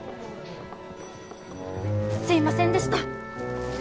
すいませんでした。